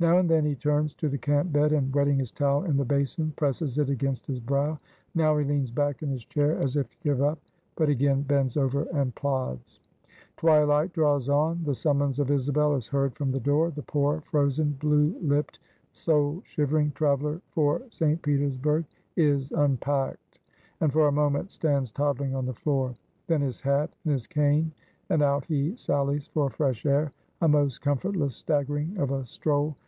Now and then he turns to the camp bed, and wetting his towel in the basin, presses it against his brow. Now he leans back in his chair, as if to give up; but again bends over and plods. Twilight draws on, the summons of Isabel is heard from the door; the poor, frozen, blue lipped, soul shivering traveler for St. Petersburg is unpacked; and for a moment stands toddling on the floor. Then his hat, and his cane, and out he sallies for fresh air. A most comfortless staggering of a stroll!